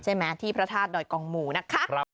ใช่ไหมที่พระธาตุดอยกองหมู่นะคะ